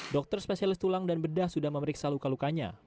dokter spesialis tulang dan bedah sudah memeriksa luka lukanya